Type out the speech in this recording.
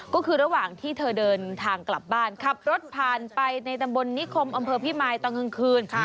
ก็คือระหว่างที่เธอเดินทางกลับบ้านขับรถผ่านไปในตำบลนิคมอำเภอพิมายตอนกลางคืน